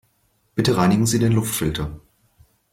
Bitte reinigen Sie den Luftfilter.